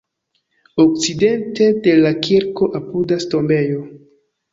Okcidente de la kirko apudas tombejo.